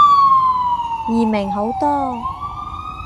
易明好多